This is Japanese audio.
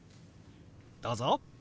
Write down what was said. どうぞ！